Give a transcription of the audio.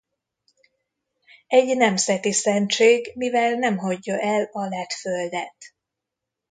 Egy nemzeti szentség mivel nem hagyja el a lett földet.